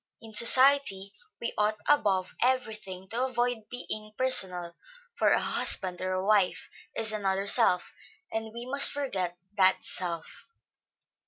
In society, we ought above every thing to avoid being personal; for a husband or a wife, is another self; and we must forget that self.